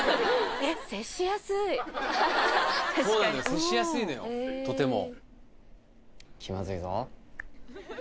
接しやすいのよとても。］